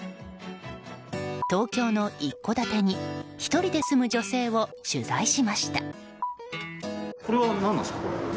東京の一戸建てに１人で住む女性を取材しました。